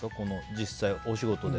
実際、お仕事で。